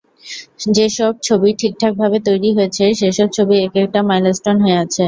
যেসব ছবি ঠিকঠাকভাবে তৈরি হয়েছে, সেসব ছবি একেকটা মাইলস্টোন হয়ে আছে।